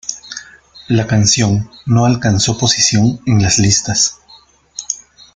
La canción no alcanzó posición en las listas.